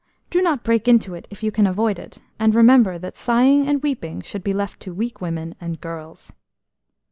Do not break into it if you can avoid it, and remember that sighing and weeping should be left to weak women and girls."